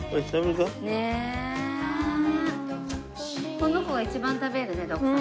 この子が一番食べるね徳さん。